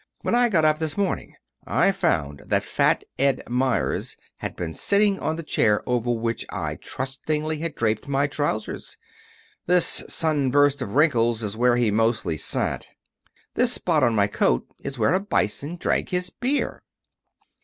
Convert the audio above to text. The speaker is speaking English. When I got up this morning I found that Fat Ed Meyers had been sitting on the chair over which I trustingly had draped my trousers. This sunburst of wrinkles is where he mostly sat. This spot on my coat is where a Bison drank his beer."